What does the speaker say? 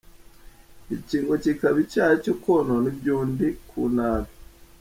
Iki ngo kikaba icyaha cyo konona iby’undi ku nabi.